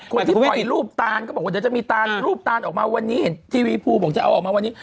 คนที่ปล่อยรูปตานก็บอกว่าเดี๋ยวจะมีตารูปตานออกมาวันนี้เห็นทีวีภูบอกจะเอาออกมาวันนี้